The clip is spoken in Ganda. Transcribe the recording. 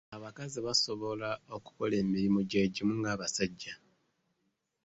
Abakazi basobola okukola emirimu gy'egimu nga abasajja.